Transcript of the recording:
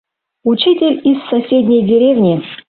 Учитель из соседней деревни.